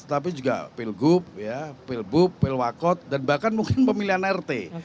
tapi juga pilgup pilbup pilwakot dan bahkan mungkin pemilihan rt